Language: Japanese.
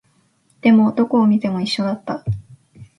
でも、どこを見ても一緒だった